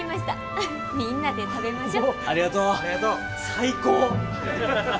最高！